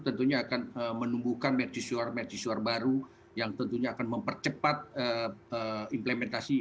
tentunya akan menumbuhkan mercizuar mercizuar baru yang tentunya akan mempercepat implementasi empat ini